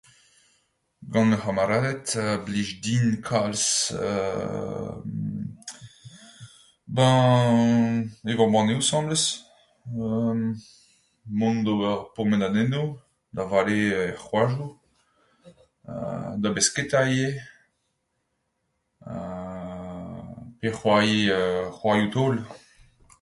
Gant ma c'hamaladed 'blij din kalz euu [beññ] evañ banneoù asambles... mont d'ober pourmenadennoù.... da vale er c'hoadoù ha da besketa ivez ha.. pe c'hoari c'hoarioù-taol.